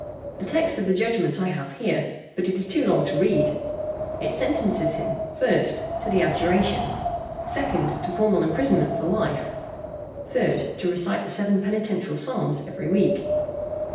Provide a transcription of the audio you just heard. The text of the judgment I have here, but it is too long to read. It sentences him 1st. To the abjuration. 2nd. To formal imprisonment for life. 3rd. To recite the seven penitential psalms every week.